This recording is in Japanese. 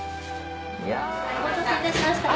お待たせいたしました。